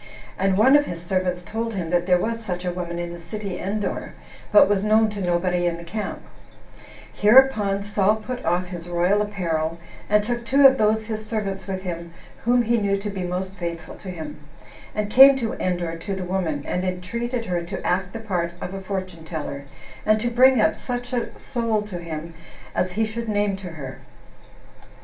And one of his servants told him that there was such a woman in the city Endor, but was known to nobody in the camp; hereupon Saul put off his royal apparel, and took two of those his servants with him, whom he knew to be most faithful to him, and came to Endor to the woman, and entreated her to act the part of a fortune teller, and to bring up such a soul to him as he should name to her.